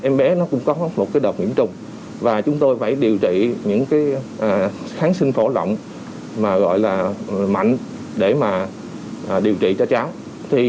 em bé cũng có một độc nhiễm trùng và chúng tôi phải điều trị những kháng sinh phổ lộng mạnh để điều trị cho cháu